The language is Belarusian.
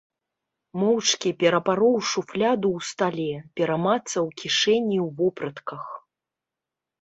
Моўчкі перапароў шуфляду ў стале, перамацаў кішэні ў вопратках.